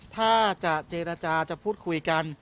ถ้าจะเจรจาจะพูดคุยกัน